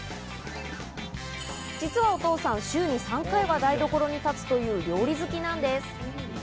実はお父さん、週に３回は台所に立つという料理好きなんです。